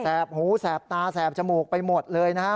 หูแสบตาแสบจมูกไปหมดเลยนะฮะ